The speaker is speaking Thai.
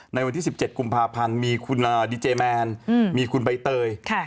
ในวันที่๑๗กุมภาพันธ์มีคุณดีเจแมนมีคุณใบเตย